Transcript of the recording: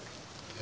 え？